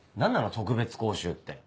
特別講習って。